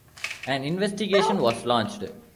An investigation was launched.